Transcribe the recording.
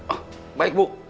oh baik bu